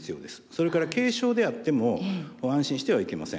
それから軽症であっても安心してはいけません。